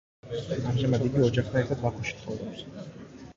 ამჟამად, იგი ოჯახთან ერთად ბაქოში ცხოვრობს.